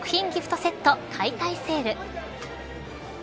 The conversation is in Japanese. セット解体セール。